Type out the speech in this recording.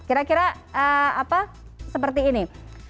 kira kira seperti ini